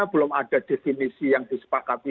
belum ada definisi yang disepakati